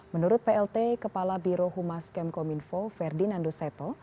menurut plt kepala biro humas km kominfo ferdinandus seto